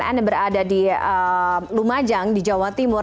yang berada di lumajang di jawa timur